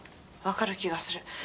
分かる気がする。